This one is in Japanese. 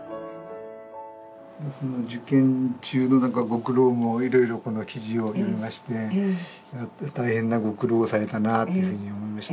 受験中のご苦労も色々この記事を読みまして大変なご苦労をされたなというふうに思いまして。